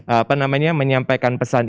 apa namanya menyampaikan pesan